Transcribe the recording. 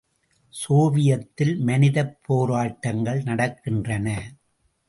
சோவியத்தில் மனிதப் போராட்டங்கள் நடக்கின்றன.